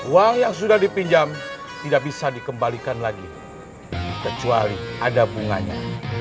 uang yang sudah dipinjam tidak bisa dikembalikan lagi kecuali ada bunganya